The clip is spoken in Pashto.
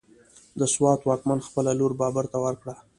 د سوات واکمن خپله لور بابر ته ورکړه،